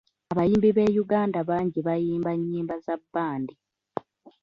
Abayimbi b’e Uganda bangi bayimba nnyimba za bbandi.